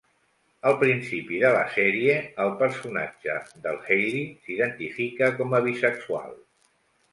Al principi de la sèrie, el personatge del Hailey s'identifica com a bisexual.